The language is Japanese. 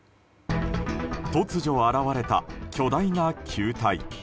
突如現れた巨大な球体。